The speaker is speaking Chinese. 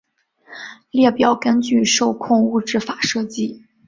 列表根据受控物质法设计。